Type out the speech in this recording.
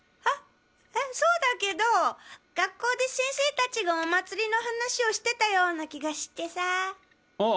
えそうだけど学校で先生たちがお祭りの話をしてたような気がしてさあ。